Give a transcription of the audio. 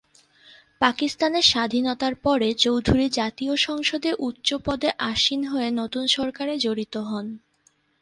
পাকিস্তানের স্বাধীনতার পরে চৌধুরী জাতীয় সংসদে উচ্চ পদে আসীন হয়ে নতুন সরকারে জড়িত হন।